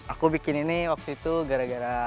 aku bikin ini waktu itu gara gara